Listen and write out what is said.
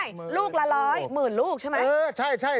ใช่ลูกละร้อยหมื่นลูกใช่ไหม